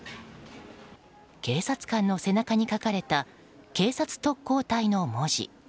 警察官の背中に書かれた警察特攻隊の文字。